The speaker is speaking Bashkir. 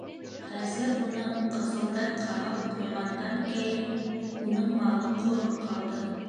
Хәзер уны ҡызылдар ҡамап ҡуйғандан кәйен, уның малы ҡороп ҡалды.